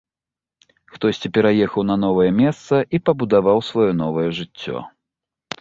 Хтосьці пераехаў на новае месца і пабудаваў сваё новае жыццё.